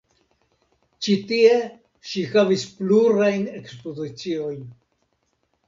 Ĉi tie ŝi havis plurajn ekspoziciojn.